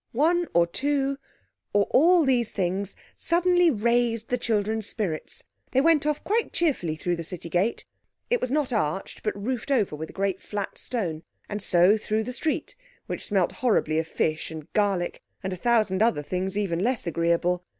One or two, or all these things, suddenly raised the children's spirits. They went off quite cheerfully through the city gate—it was not arched, but roofed over with a great flat stone—and so through the street, which smelt horribly of fish and garlic and a thousand other things even less agreeable.